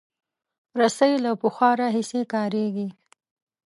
رسۍ له پخوا راهیسې کارېږي.